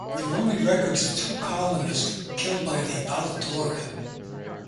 There are only records of two colonists killed by the Pallittorre.